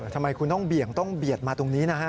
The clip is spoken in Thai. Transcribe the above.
ทำไมคุณต้องเบี่ยงต้องเบียดมาตรงนี้นะฮะ